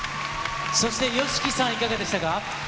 そしてＹＯＳＨＩＫＩさん、いかがでしたか。